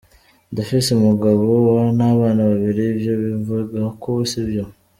"Ndafise umugabo n'abana babiri, ivyo bimvugwako sivyo.